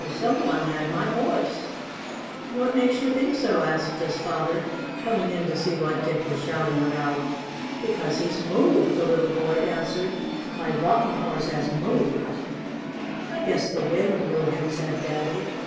Some one had my Horse!" "What makes you think so?" asked his father, coming in to see what Dick was shouting about. "Because he's moved," the little boy answered. "My Rocking Horse has moved!" "I guess the wind blew him," said Daddy.